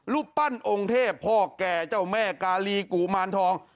รูปปั้นองค์เทพพ่อแก่เจ้าแม่กาลีกุมารทอง